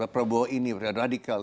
prabowo ini radikal